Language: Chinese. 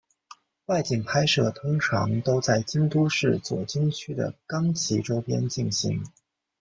外景拍摄通常都在京都市左京区的冈崎周边进行。